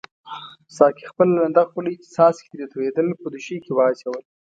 ساقي خپله لنده خولۍ چې څاڅکي ترې توییدل په دوشۍ کې واچول.